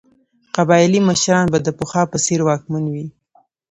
قبایلي مشران به د پخوا په څېر واکمن وي.